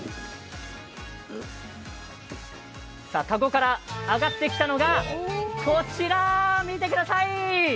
かごから上がってきたのはこちら、見てください。